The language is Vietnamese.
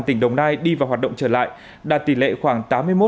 tỉnh đồng nai đi vào hoạt động trở lại đạt tỷ lệ khoảng tám mươi một